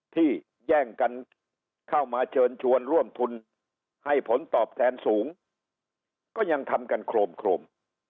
ที่แย่งกันเข้ามาเชิญชวนร่วมทุนให้ผลตอบแทนสูงก็ยังทำกันโครมโครม